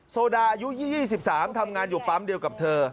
โซดาอายุ๒๓ทำงานอยู่ปั๊มเดียวกับเธอ